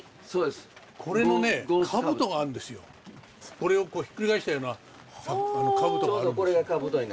これをひっくり返したような兜があるんですね。